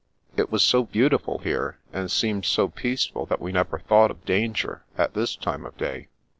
It was so beautiful here, and seemed so peaceful that we never thought of danger, at this time of day.